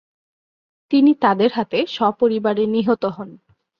তিনি তাদের হাতে সপরিবারে নিহত হন।